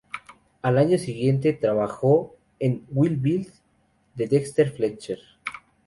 Al año siguiente, trabajó en "Wild Bill", de Dexter Fletcher.